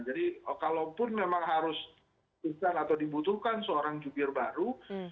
jadi kalaupun memang harus dibutuhkan seorang jubir baru